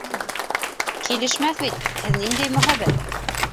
— Килешмәҫ бит, һеҙ ниндәй мөһабәт...